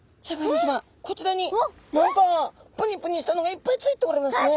こちらに何かプニプニしたのがいっぱいついておりますね。